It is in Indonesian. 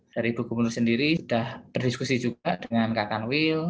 dari bukomunur sendiri sudah berdiskusi juga dengan kak kanwil